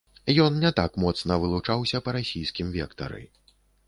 Ён не так моцна вылучаўся па расійскім вектары.